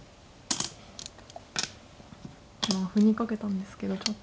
歩にかけたんですけどちょっと。